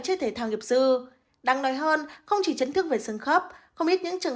chơi thể thao nghiệp dư đáng nói hơn không chỉ chấn thương về sơn khắp không ít những trường